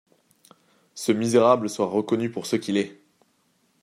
Ce misérable sera reconnu pour ce qu’il est...